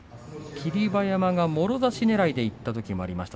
霧馬山がもろ差しねらいでいったときもありました。